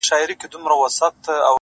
• نو نن؛